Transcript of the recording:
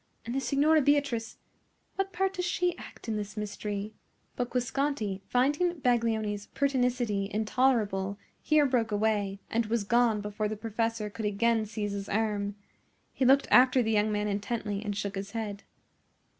And the Signora Beatrice,—what part does she act in this mystery?" But Guasconti, finding Baglioni's pertinacity intolerable, here broke away, and was gone before the professor could again seize his arm. He looked after the young man intently and shook his head.